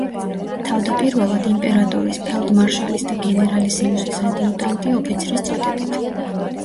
თავდაპირველად, იმპერატორის, ფელდმარშალის და გენერალისიმუსის ადიუტანტი ოფიცრის წოდებით.